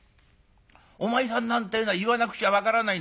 お前さんなんてえのは言わなくちゃ分からないんだから。